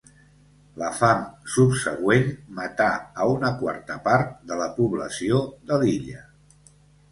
La fam subsegüent matà a una quarta part de la població de l'illa.